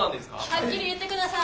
はっきり言ってください。